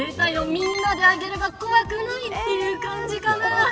みんなで上げれば怖くないって感じかな。